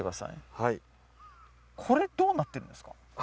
はいこれどうなってるんですか？